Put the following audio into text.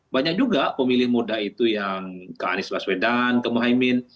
banyak juga pemilih muda itu yang ke anies baswedan ke muhaymin